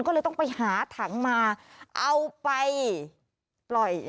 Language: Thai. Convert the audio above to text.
ก็เลยต้องไปหาถังมาเอาไปปล่อย